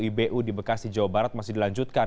ibu di bekasi jawa barat masih dilanjutkan